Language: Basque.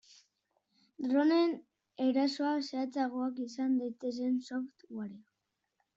Droneen erasoak zehatzagoak izan daitezen softwarea.